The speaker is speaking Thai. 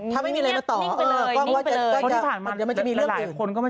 ถูก